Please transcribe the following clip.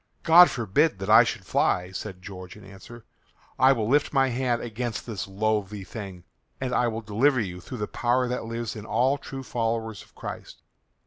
"God forbid that I should fly," said George in answer; "I will lift my hand against this loathly thing, and I will deliver you through the power that lives in all true followers of Christ."